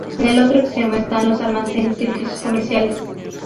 En el otro extremo están los almacenes y edificios comerciales.